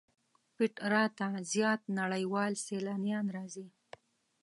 پېټرا ته زیات نړیوال سیلانیان راځي.